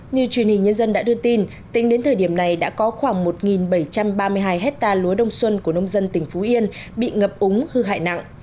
như truyền hình nhân dân đã đưa tin tính đến thời điểm này đã có khoảng một bảy trăm ba mươi hai hectare lúa đông xuân của nông dân tỉnh phú yên bị ngập úng hư hại nặng